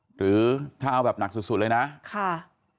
หรือถ้าเอาแบบหนักสุดเลยนะค่ะ